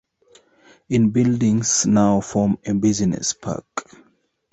Its buildings now form a business park.